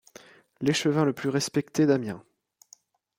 L'échevin le plus respecté d'Amiens.